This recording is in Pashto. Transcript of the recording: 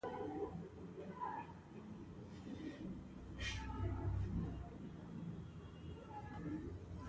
هلته د پیرود لپاره اوږد صف جوړ شو.